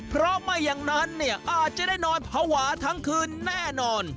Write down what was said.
เพราะไม่อย่างนั้นเนี่ยอาจจะได้นอนภาวะทั้งคืนแน่นอน